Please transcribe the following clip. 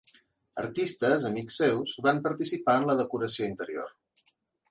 Artistes, amics seus, van participar en la decoració interior.